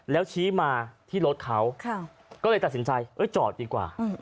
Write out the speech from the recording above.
แล้วชี้มาที่รถเขาก็เลยตัดสินใจจอดดีกว่า